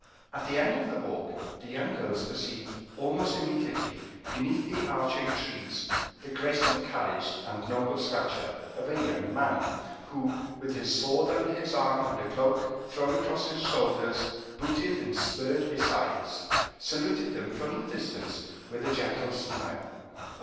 At the end of the walk the young girls perceived almost immediately, beneath the arching trees, the graceful carriage and noble stature of a young man, who, with his sword under his arm and a cloak thrown across his shoulders, booted and spurred besides, saluted them from the distance with a gentle smile.